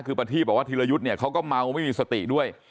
คือประทีบบอกว่าธีรยุทธ์เนี่ยเขาก็เมาไม่มีสติด้วย